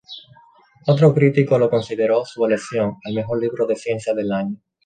Otro crítico lo consideró su elección al mejor libro de ciencia del año.